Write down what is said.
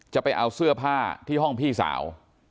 ไปเอาเสื้อผ้าที่ห้องพี่สาว